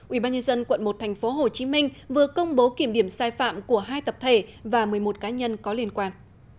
ubnd quận một tp hcm vừa công bố kiểm điểm sai phạm của hai tập thể và một mươi một cá nhân có liên quan